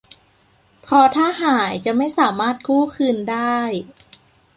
เพราะถ้าหายจะไม่สามารถกู้คืนได้